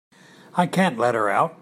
I can't let her out.